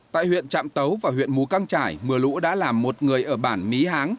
tại huyện trạm tấu và huyện mù căng trải mưa lũ đã làm một người ở bản mí háng